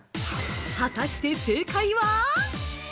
◆果たして正解は。